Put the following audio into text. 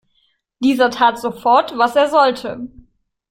Dieser tat sofort, was er sollte.